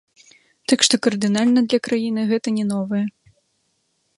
Так што кардынальна для краіны гэта не новае.